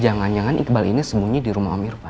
jangan jangan iqbal ini sembunyi di rumah om irfan